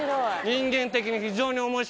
人間的に。